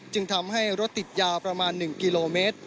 จึงทำให้รถติดยาวประมาณ๑กิโลเมตร